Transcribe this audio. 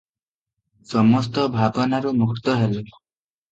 ସମସ୍ତ ଭାବନାରୁ ମୁକ୍ତ ହେଲେ ।